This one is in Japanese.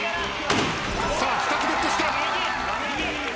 ２つゲットした。